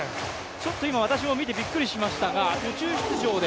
ちょっと私も今見てびっくりしましたが途中出場で。